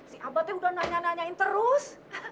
si abadnya udah nanya nanyain terus